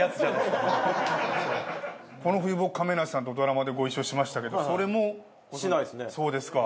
この冬僕亀梨さんとドラマでご一緒しましたけどそれも？しないですね。